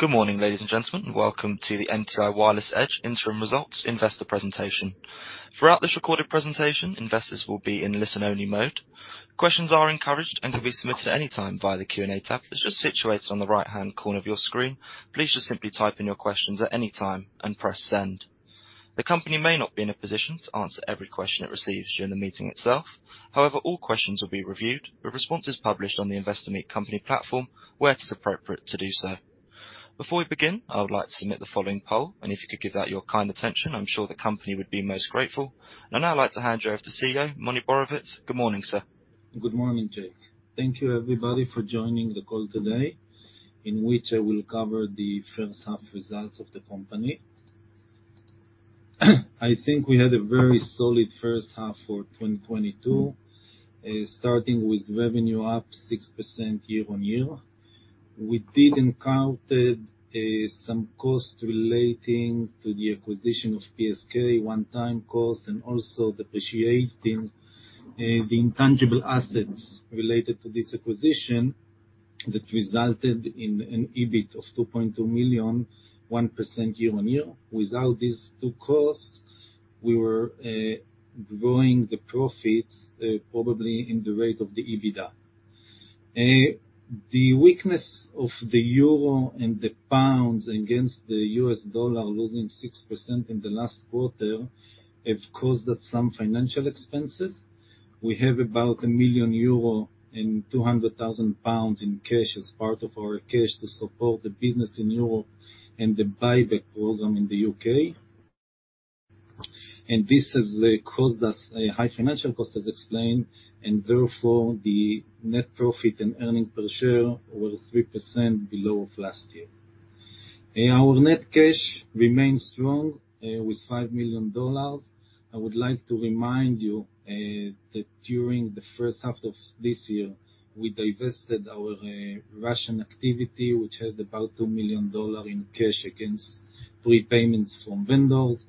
Good morning, ladies and gentlemen, and welcome to the MTI Wireless Edge interim results investor presentation. Throughout this recorded presentation, investors will be in listen-only mode. Questions are encouraged and can be submitted at any time via the Q&A tab that's just situated on the right-hand corner of your screen. Please just simply type in your questions at any time and press Send. The company may not be in a position to answer every question it receives during the meeting itself. However, all questions will be reviewed with responses published on the Investor Meet Company platform where it is appropriate to do so. Before we begin, I would like to submit the following poll, and if you could give that your kind attention, I'm sure the company would be most grateful. I'd now like to hand you over to CEO, Moni Borovitz. Good morning, sir. Good morning, Jake. Thank you everybody for joining the call today, in which I will cover the first half results of the company. I think we had a very solid first half for 2022, starting with revenue up 6% year-on-year. We did encountered some costs relating to the acquisition of P.S.K., one-time cost, and also depreciating the intangible assets related to this acquisition that resulted in an EBIT of $2.2 million, 1% year-on-year. Without these two costs, we were growing the profit probably in the rate of the EBITDA. The weakness of the Euro and the pounds against the US dollar losing 6% in the last quarter have caused some financial expenses. We have about 1 million euro and 200,000 pounds in cash as part of our cash to support the business in Europe and the buyback program in The U.K. This has caused us a high financial cost, as explained, and therefore the net profit and earnings per share were 3% below of last year. Our net cash remains strong with $5 million. I would like to remind you that during the first half of this year, we divested our Russian activity, which had about $2 million in cash against prepayments from vendors.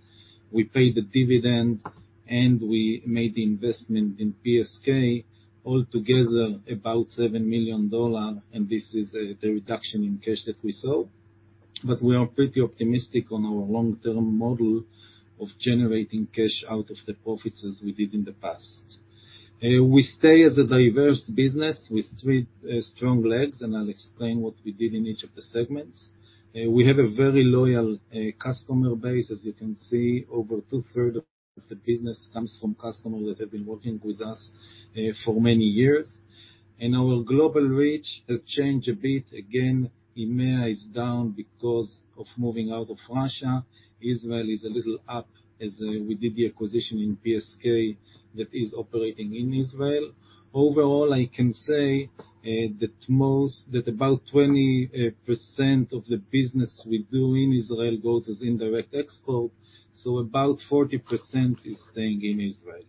We paid the dividend and we made the investment in P.S.K. all together about $7 million, and this is the reduction in cash that we saw. We are pretty optimistic on our long-term model of generating cash out of the profits as we did in the past. We stay as a diverse business with three strong legs, and I'll explain what we did in each of the segments. We have a very loyal customer base. As you can see, over two-thirds of the business comes from customers that have been working with us for many years. Our global reach has changed a bit. Again, EMEA is down because of moving out of Russia. Israel is a little up as we did the acquisition in P.S.K. that is operating in Israel. Overall, I can say that about 20% of the business we do in Israel goes as indirect export, so about 40% is staying in Israel.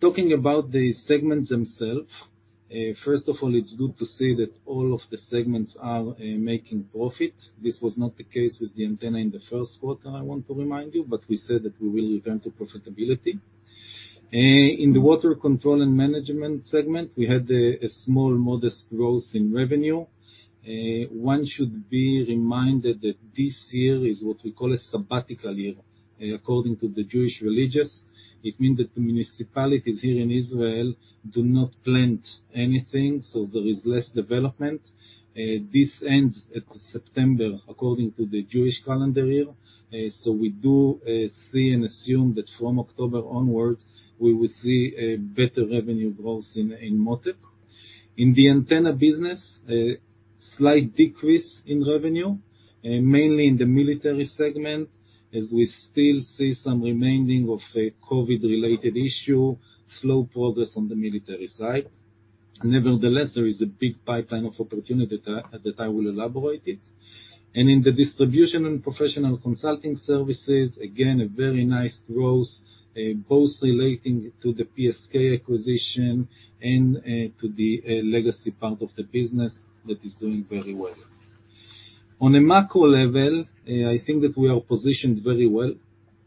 Talking about the segments themselves. First of all, it's good to see that all of the segments are making profit. This was not the case with the antenna in the first quarter, I want to remind you, but we said that we will return to profitability. In the water control and management segment, we had a small, modest growth in revenue. One should be reminded that this year is what we call a [sabbatical] year, according to the Jewish religion. It means that the municipalities here in Israel do not plant anything, so there is less development. This ends at September, according to the Jewish calendar year. We do see and assume that from October onwards, we will see a better revenue growth in Mottech. In the antenna business, a slight decrease in revenue, mainly in the military segment, as we still see some remaining of a COVID-related issue, slow progress on the military side. Nevertheless, there is a big pipeline of opportunity that I will elaborate it. In the distribution and professional consulting services, again, a very nice growth, both relating to the P.S.K. acquisition and to the legacy part of the business that is doing very well. On a macro level, I think that we are positioned very well.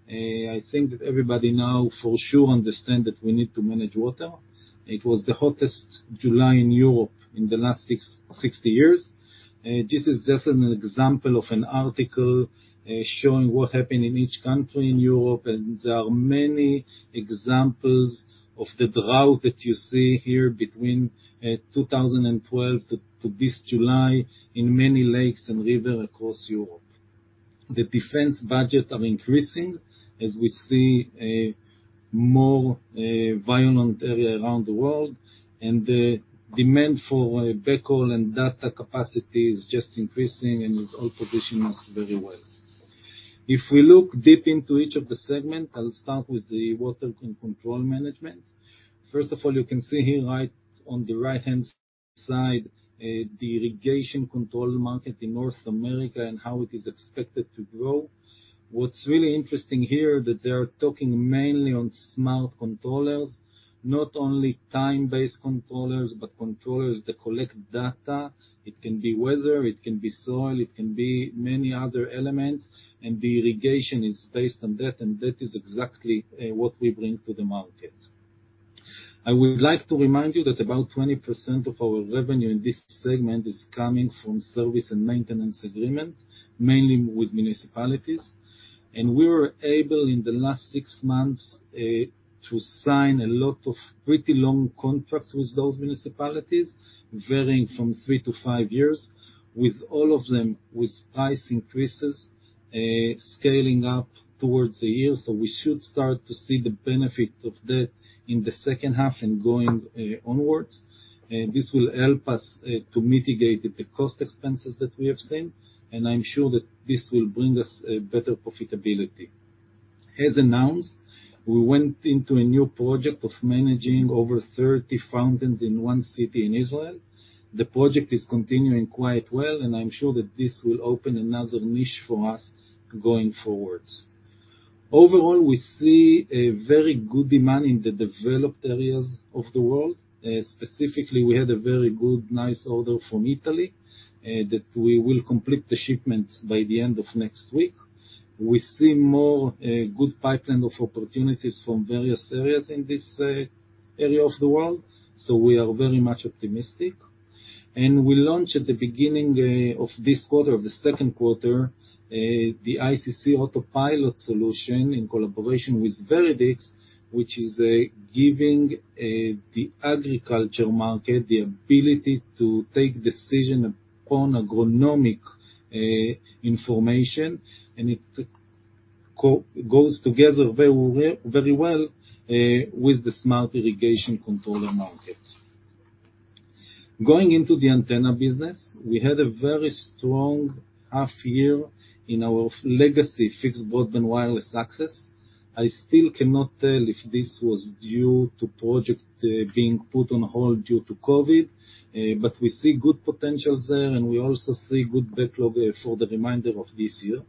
I think that everybody now for sure understand that we need to manage water. It was the hottest July in Europe in the last 60 years. This is just an example of an article showing what happened in each country in Europe, and there are many examples of the drought that you see here between 2012 to this July in many lakes and rivers across Europe. The defense budgets are increasing as we see a more violent area around the world, and the demand for backhaul and data capacity is just increasing and it all positions us very well. If we look deep into each of the segments, I'll start with the water control management. First of all, you can see here right on the right-hand side the irrigation control market in North America and how it is expected to grow. What's really interesting here that they are talking mainly on smart controllers, not only time-based controllers, but controllers that collect data. It can be weather, it can be soil, it can be many other elements, and the irrigation is based on that, and that is exactly what we bring to the market. I would like to remind you that about 20% of our revenue in this segment is coming from service and maintenance agreement, mainly with municipalities. We were able, in the last six months, to sign a lot of pretty long contracts with those municipalities, varying from three to five years, with all of them with price increases, scaling up towards a year. We should start to see the benefit of that in the second half and going onwards. This will help us to mitigate the cost expenses that we have seen, and I'm sure that this will bring us a better profitability. As announced, we went into a new project of managing over 30 fountains in one city in Israel. The project is continuing quite well, and I'm sure that this will open another niche for us going forwards. Overall, we see a very good demand in the developed areas of the world. Specifically, we had a very good, nice order from Italy that we will complete the shipments by the end of next week. We see more good pipeline of opportunities from various areas in this area of the world, so we are very much optimistic. We launched at the beginning of this quarter, of the second quarter, the ICC Autopilot solution in collaboration with Viridix, which is giving the agriculture market the ability to take decision upon agronomic information, and it goes together very well with the smart irrigation controller market. Going into the antenna business, we had a very strong half year in our legacy fixed broadband wireless access. I still cannot tell if this was due to project being put on hold due to COVID, but we see good potentials there, and we also see good backlog for the remainder of this year.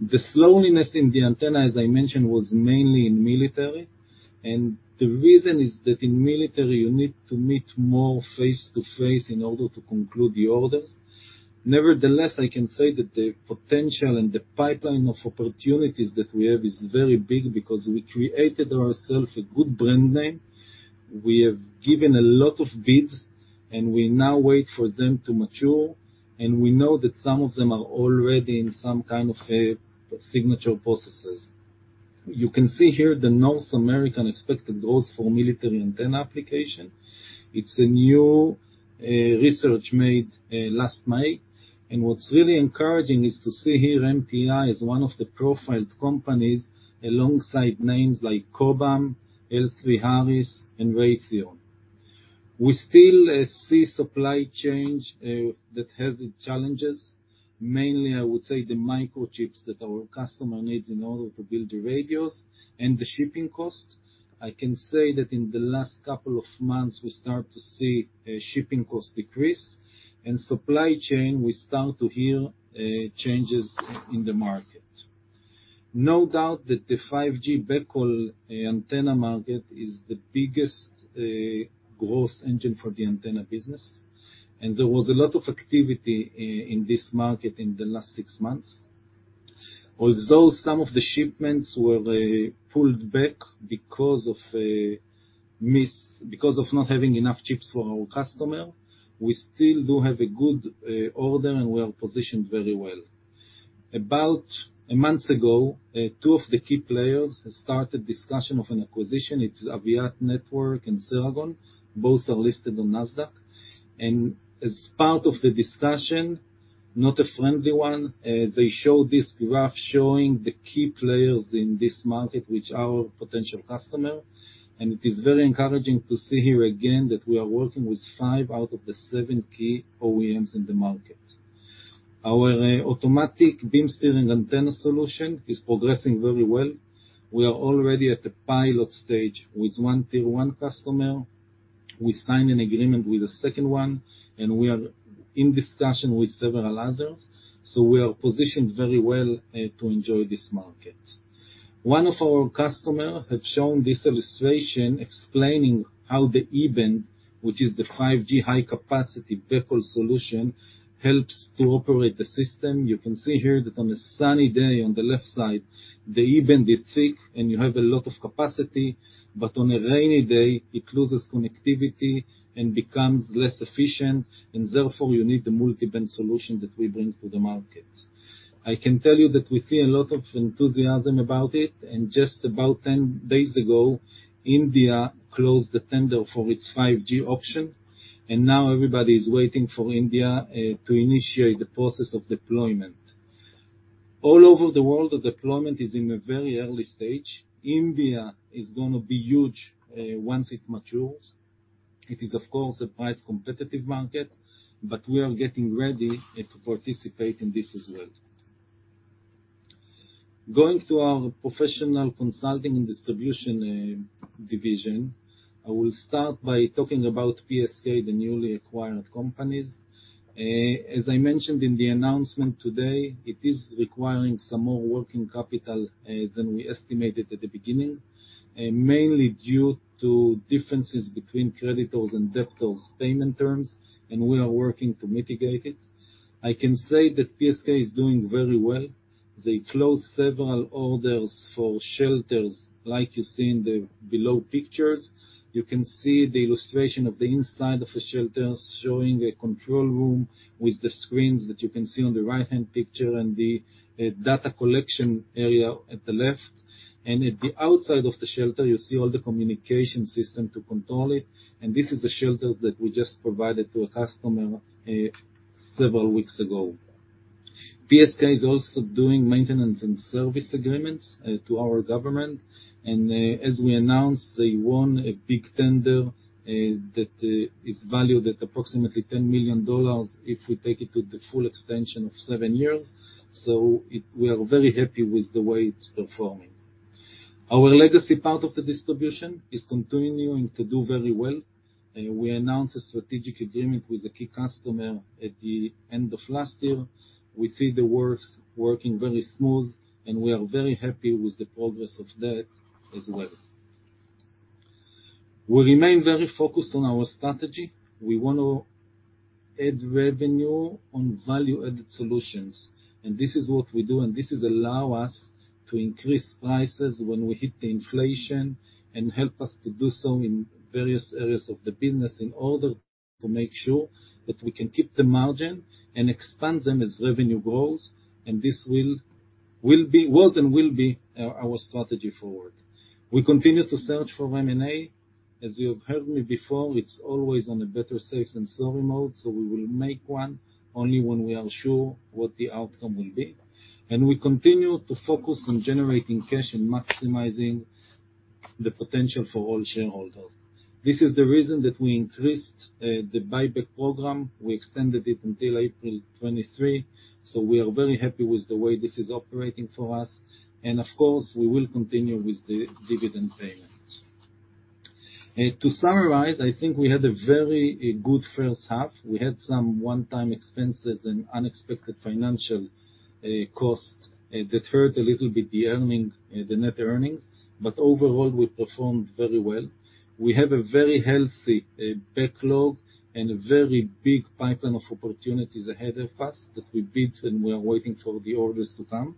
The slowness in the antenna, as I mentioned, was mainly in military, and the reason is that in military, you need to meet more face-to-face in order to conclude the orders. Nevertheless, I can say that the potential and the pipeline of opportunities that we have is very big because we created ourselves a good brand name. We have given a lot of bids, and we now wait for them to mature, and we know that some of them are already in some kind of signature processes. You can see here the North American expected growth for military antenna application. It's a new research made last May. What's really encouraging is to see here MTI as one of the profiled companies alongside names like Cobham, L3Harris and Raytheon. We still see supply chains that have challenges. Mainly, I would say the microchips that our customer needs in order to build the radios and the shipping costs. I can say that in the last couple of months, we start to see shipping costs decrease. In supply chain, we start to hear changes in the market. No doubt that the 5G backhaul antenna market is the biggest growth engine for the antenna business. There was a lot of activity in this market in the last six months. Although some of the shipments were pulled back because of not having enough chips for our customer, we still do have a good order, and we are positioned very well. About a month ago, two of the key players started discussion of an acquisition. It's Aviat Networks and Ceragon Networks. Both are listed on Nasdaq. As part of the discussion, not a friendly one, they show this graph showing the key players in this market, which are our potential customer. It is very encouraging to see here again that we are working with five out of the seven key OEMs in the market. Our automatic beam steering antenna solution is progressing very well. We are already at the pilot stage with one tier one customer. We signed an agreement with a second one, and we are in discussion with several others. We are positioned very well to enjoy this market. One of our customer have shown this illustration explaining how the E-band, which is the 5G high-capacity backhaul solution, helps to operate the system. You can see here that on a sunny day on the left side, the E-band is thick and you have a lot of capacity. But on a rainy day, it loses connectivity and becomes less efficient, and therefore, you need the multi-band solution that we bring to the market. I can tell you that we see a lot of enthusiasm about it, and just about 10 days ago, India closed the tender for its 5G auction, and now everybody is waiting for India to initiate the process of deployment. All over the world, the deployment is in a very early stage. India is gonna be huge once it matures. It is, of course, a price competitive market, but we are getting ready to participate in this as well. Going to our professional consulting and distribution division, I will start by talking about P.S.K., the newly acquired companies. As I mentioned in the announcement today, it is requiring some more working capital than we estimated at the beginning, mainly due to differences between creditors and debtors' payment terms, and we are working to mitigate it. I can say that P.S.K. is doing very well. They closed several orders for shelters like you see in the below pictures. You can see the illustration of the inside of the shelters, showing a control room with the screens that you can see on the right-hand picture and the data collection area at the left. At the outside of the shelter, you see all the communication system to control it. This is the shelter that we just provided to a customer several weeks ago. P.S.K. is also doing maintenance and service agreements to our government. As we announced, they won a big tender that is valued at approximately $10 million if we take it to the full extension of seven years. We are very happy with the way it's performing. Our legacy part of the distribution is continuing to do very well. We announced a strategic agreement with a key customer at the end of last year. We see the works working very smooth, and we are very happy with the progress of that as well. We remain very focused on our strategy. We want to add revenue on value-added solutions, and this is what we do. This allows us to increase prices when we hit the inflation, and help us to do so in various areas of the business in order to make sure that we can keep the margin and expand them as revenue grows, and this will be was and will be our strategy forward. We continue to search for M&A. As you have heard me before, it's always on a better safe than sorry mode, so we will make one only when we are sure what the outcome will be. We continue to focus on generating cash and maximizing the potential for all shareholders. This is the reason that we increased the buyback program. We extended it until April 2023, so we are very happy with the way this is operating for us. Of course, we will continue with the dividend payments. To summarize, I think we had a very good first half. We had some one-time expenses and unexpected financial costs, deferred a little bit the net earnings. Overall, we performed very well. We have a very healthy backlog and a very big pipeline of opportunities ahead of us that we bid, and we are waiting for the orders to come.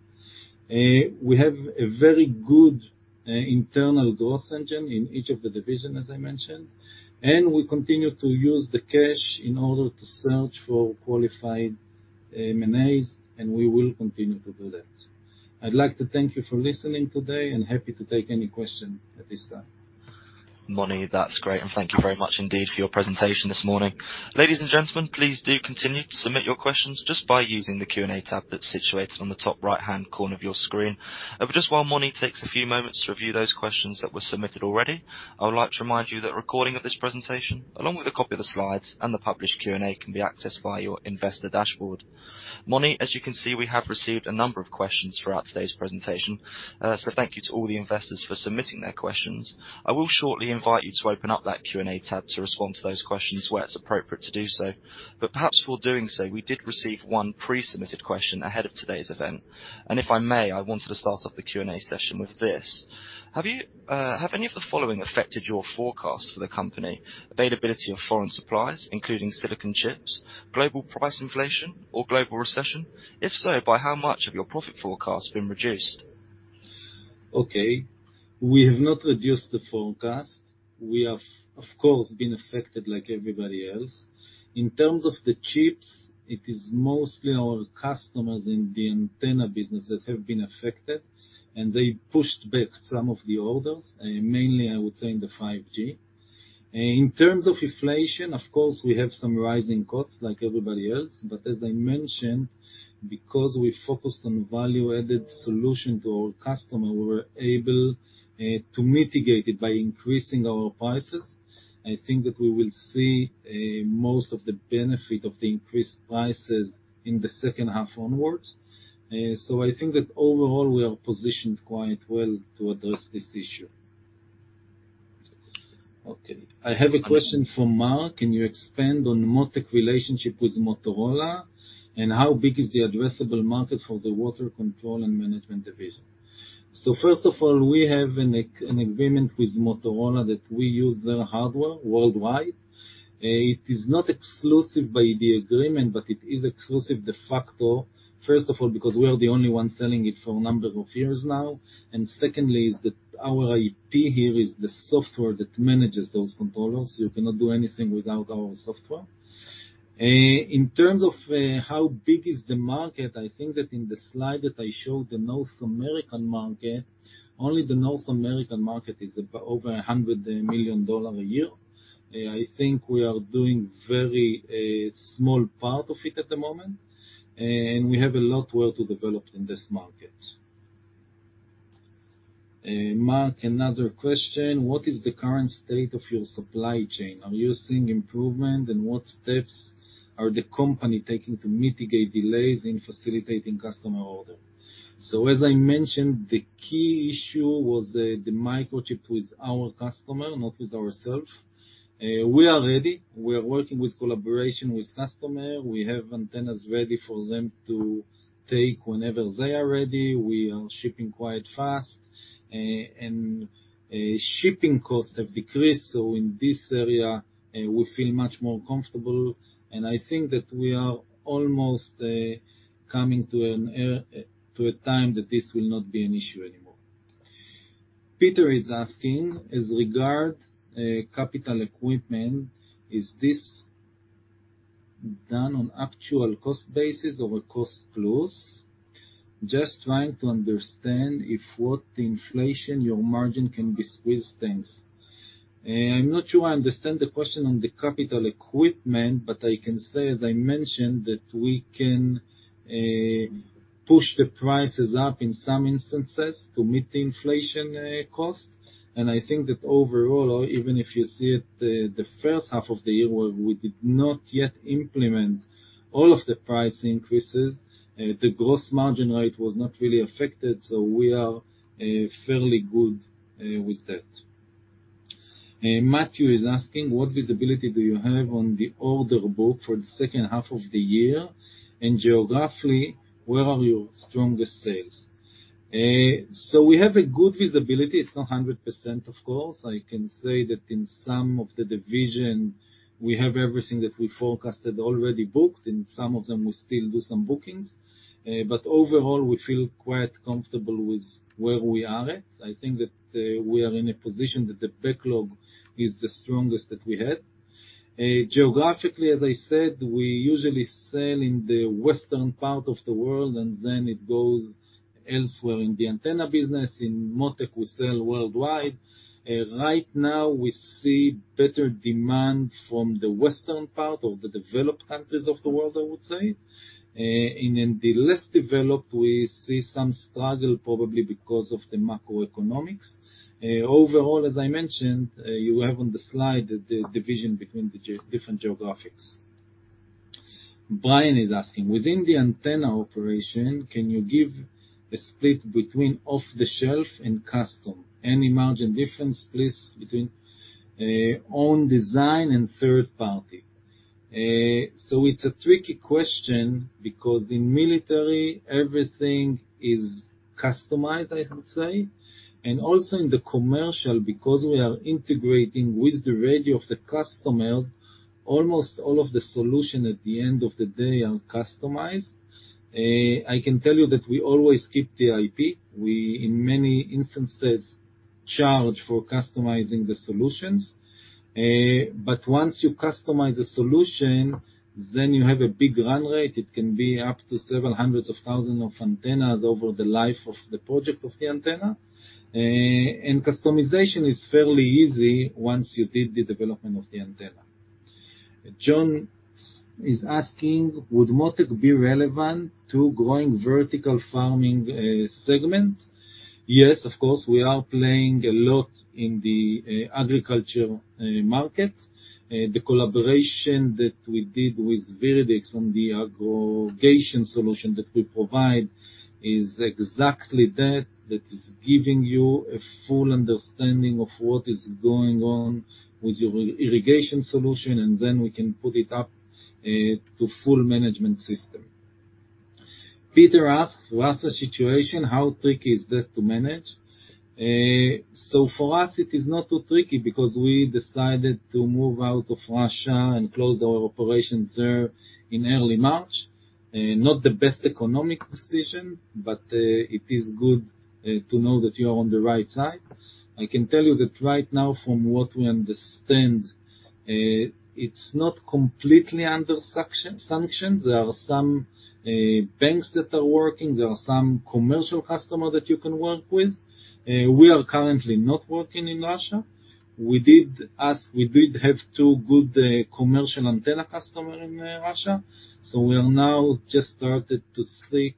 We have a very good internal growth engine in each of the division, as I mentioned, and we continue to use the cash in order to search for qualified M&As, and we will continue to do that. I'd like to thank you for listening today and happy to take any question at this time. Moni, that's great, and thank you very much indeed for your presentation this morning. Ladies and gentlemen, please do continue to submit your questions just by using the Q&A tab that's situated on the top right-hand corner of your screen. Just while Moni takes a few moments to review those questions that were submitted already, I would like to remind you that recording of this presentation, along with a copy of the slides and the published Q&A, can be accessed via your investor dashboard. Moni, as you can see, we have received a number of questions throughout today's presentation, so thank you to all the investors for submitting their questions. I will shortly invite you to open up that Q&A tab to respond to those questions where it's appropriate to do so. Perhaps before doing so, we did receive one pre-submitted question ahead of today's event. If I may, I wanted to start off the Q&A session with this. Have any of the following affected your forecast for the company, availability of foreign supplies, including silicon chips, global price inflation or global recession? If so, by how much have your profit forecast been reduced? Okay. We have not reduced the forecast. We have, of course, been affected like everybody else. In terms of the chips, it is mostly our customers in the antenna business that have been affected, and they pushed back some of the orders, mainly, I would say, in the 5G. In terms of inflation, of course, we have some rising costs like everybody else. But as I mentioned, because we focused on value-added solution to our customer, we were able to mitigate it by increasing our prices. I think that we will see most of the benefit of the increased prices in the second half onwards. So I think that overall, we are positioned quite well to address this issue. Okay. I have a question from Mark. Can you expand on the Mottech relationship with Motorola, and how big is the addressable market for the water control and management division? First of all, we have an agreement with Motorola that we use their hardware worldwide. It is not exclusive by the agreement, but it is exclusive de facto, first of all, because we are the only one selling it for a number of years now. That our IP here is the software that manages those controllers. You cannot do anything without our software. In terms of, how big is the market, I think that in the slide that I showed, the North American market, only the North American market is over $100 million a year. I think we are doing very small part of it at the moment, and we have a lot of work to develop in this market. Mark, another question: What is the current state of your supply chain? Are you seeing improvement, and what steps is the company taking to mitigate delays in facilitating customer order? As I mentioned, the key issue was the microchip with our customer, not with ourselves. We are ready. We are working in collaboration with the customer. We have antennas ready for them to take whenever they are ready. We are shipping quite fast. Shipping costs have decreased, so in this area, we feel much more comfortable, and I think that we are almost coming to a time that this will not be an issue anymore. Peter is asking, as regards capital equipment, is this done on actual cost basis or a cost-plus? Just trying to understand if with inflation your margin can be squeezed things. I'm not sure I understand the question on the capital equipment, but I can say, as I mentioned, that we can push the prices up in some instances to meet the inflation cost. I think that overall, even if you see it, the first half of the year where we did not yet implement all of the price increases, the gross margin rate was not really affected. We are fairly good with that. Matthew is asking, what visibility do you have on the order book for the second half of the year? Geographically, where are your strongest sales? We have a good visibility. It's not 100%, of course. I can say that in some of the division we have everything that we forecasted already booked. In some of them, we still do some bookings. Overall, we feel quite comfortable with where we are at. I think that we are in a position that the backlog is the strongest that we had. Geographically, as I said, we usually sell in the western part of the world and then it goes elsewhere. In the antenna business, in Mottech, we sell worldwide. Right now we see better demand from the western part of the developed countries of the world, I would say. In the less developed we see some struggle, probably because of the macroeconomics. Overall, as I mentioned, you have on the slide the division between different geographies. Brian is asking, within the antenna operation, can you give a split between off-the-shelf and custom? Any margin difference, please, between own design and third party? It's a tricky question because in military everything is customized, I would say. Also in the commercial, because we are integrating with the radio of the customers, almost all of the solution at the end of the day are customized. I can tell you that we always keep the IP. We, in many instances, charge for customizing the solutions. Once you customize a solution, then you have a big run rate. It can be up to several hundreds of thousands of antennas over the life of the project of the antenna. Customization is fairly easy once you did the development of the antenna. John is asking, would Mottech be relevant to growing vertical farming segment? Yes, of course. We are playing a lot in the agriculture market. The collaboration that we did with Viridix on the aggregation solution that we provide is exactly that. That is giving you a full understanding of what is going on with your irrigation solution, and then we can put it up to full management system. Peter asked, Russia situation, how tricky is this to manage? For us it is not too tricky because we decided to move out of Russia and close our operations there in early March. Not the best economic decision, but it is good to know that you are on the right side. I can tell you that right now from what we understand, it's not completely under sanctions. There are some banks that are working. There are some commercial customer that you can work with. We are currently not working in Russia. We did have two good commercial antenna customer in Russia, so we are now just started to seek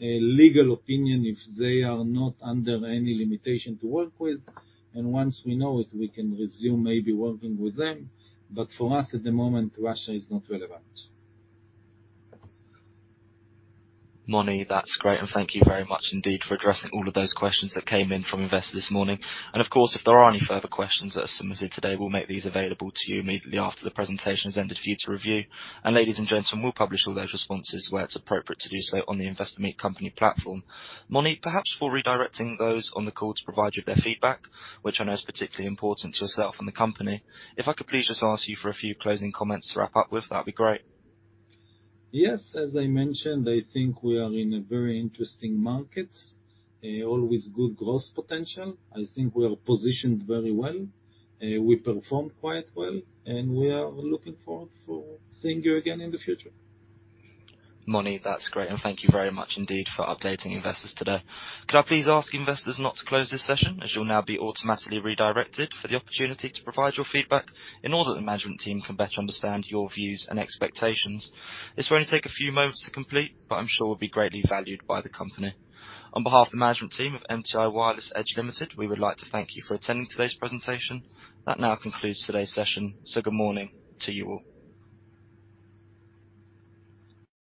a legal opinion if they are not under any limitation to work with. Once we know it, we can resume maybe working with them. For us at the moment, Russia is not relevant. Moni, that's great. Thank you very much indeed for addressing all of those questions that came in from investors this morning. Of course, if there are any further questions that are submitted today, we'll make these available to you immediately after the presentation has ended for you to review. Ladies and gentlemen, we'll publish all those responses where it's appropriate to do so on the Investor Meet Company platform. Moni, perhaps for redirecting those on the call to provide you their feedback, which I know is particularly important to yourself and the company, if I could please just ask you for a few closing comments to wrap up with, that'd be great. Yes. As I mentioned, I think we are in a very interesting market, always good growth potential. I think we are positioned very well. We performed quite well, and we are looking forward for seeing you again in the future. Moni, that's great. Thank you very much indeed for updating investors today. Could I please ask investors not to close this session, as you'll now be automatically redirected for the opportunity to provide your feedback in order that the management team can better understand your views and expectations. This will only take a few moments to complete, but I'm sure will be greatly valued by the company. On behalf of the management team of MTI Wireless Edge Ltd., we would like to thank you for attending today's presentation. That now concludes today's session. Good morning to you all.